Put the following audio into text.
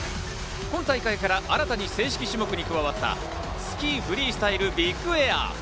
今大会から新たに正式種目に加わったスキーフリースタイルビッグエア。